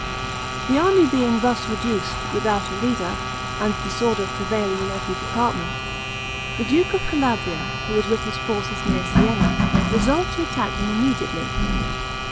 The army being thus reduced, without a leader, and disorder prevailing in every department, the duke of Calabria, who was with his forces near Sienna, resolved to attack them immediately.